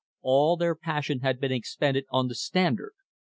All their passion had been expended on the Standard.